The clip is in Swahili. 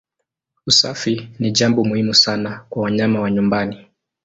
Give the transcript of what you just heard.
Usafi ni jambo muhimu sana kwa wanyama wa nyumbani.